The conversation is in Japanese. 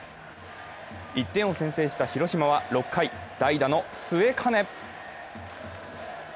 １点を先制した広島は６回、代打の末包。